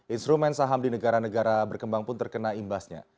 instrumen saham di negara negara berkembang pun terkena imbasnya